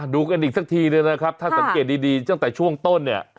ดูกันอีกสักทีเนี่ยนะครับถ้าสังเกตดีตั้งแต่ช่วงต้นเนี่ย